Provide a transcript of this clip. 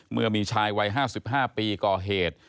เมื่อมีชายวัย๕๕ปีก่อเหตุ